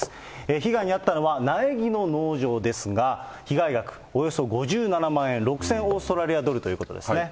被害に遭ったのは苗木の農場ですが、被害額およそ５７万円、６０００オーストラリアドルというところです。